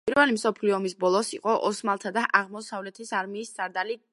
პირველი მსოფლიო ომის ბოლოს იყო ოსმალთა აღმოსავლეთის არმიის სარდალი კავკასიის კამპანიაში.